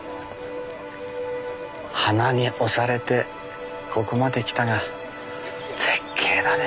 花に押されてここまで来たが絶景だね。